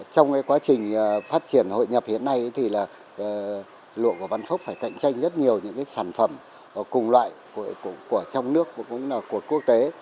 trong quá trình phát triển hội nhập hiện nay thì là lụa của văn phúc phải cạnh tranh rất nhiều những sản phẩm cùng loại của trong nước và cũng là của quốc tế